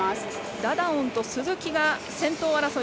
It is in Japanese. ダダオンと鈴木が先頭争い。